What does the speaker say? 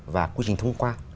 và quy trình thông qua